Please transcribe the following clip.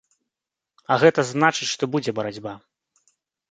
А гэта значыць, што будзе барацьба.